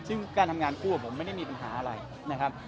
ซึ่งการทำงานคู่กับผมไม่ได้มีปัญหาอะไรนะครับ